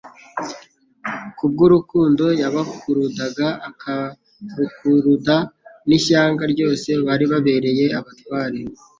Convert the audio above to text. Kubw'urukurudo yabakurudaga akarukuruda n'ishyanga ryose bari babereye abatware,